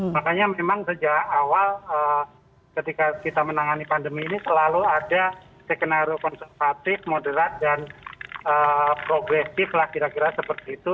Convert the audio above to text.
makanya memang sejak awal ketika kita menangani pandemi ini selalu ada skenario konservatif moderat dan progresif lah kira kira seperti itu